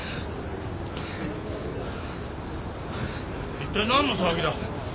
一体何の騒ぎだ？